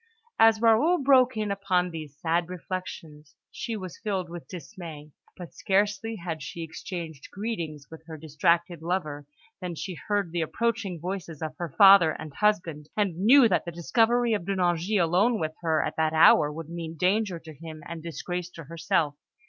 As Raoul broke in upon these sad reflections, she was filled with dismay; but scarcely had she exchanged greetings with her distracted lover than she heard the approaching voices of her father and husband, and knew that the discovery of De Nangis alone with her at that hour would mean danger to him and disgrace to herself.